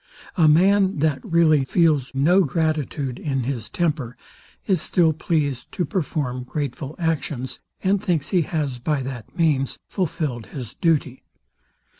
A man that really feels no gratitude in his temper, is still pleased to perform grateful actions, and thinks he has, by that means, fulfilled his duty.